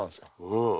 うん。